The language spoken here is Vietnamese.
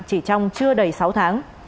chỉ trong chưa đầy sáu tháng